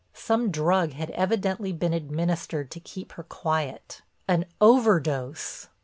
Some drug had evidently been administered to keep her quiet—an overdose!